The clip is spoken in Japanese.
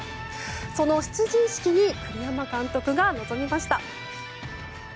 その出陣式に栗山監督が臨みました。